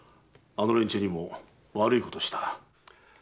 あの連中にも悪いことをした。